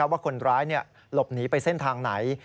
ว่าคนร้ายหลบหนีไปเส้นทางไหน